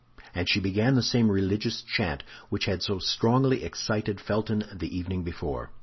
And she began the same religious chant which had so strongly excited Felton the evening before.